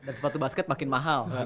dan sepatu basket makin mahal